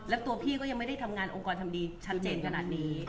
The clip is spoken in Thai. แล้วตัวพี่ก็ยังไม่ได้ทำงานองค์กรทำดีชัดเจนขนาดนี้